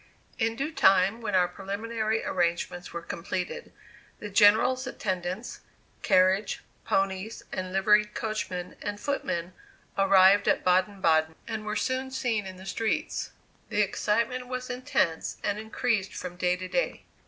In due time, when our preliminary arrangements were completed, the General's attendants, carriage, ponies and liveried coachman and footmen arrived at Baden Baden and were soon seen in the streets. The excitement was intense and increased from day to day.